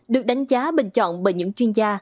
được đánh giá bình chọn bởi những chuyên gia